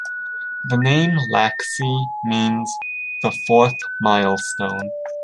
The name Lak Si means the "fourth milestone".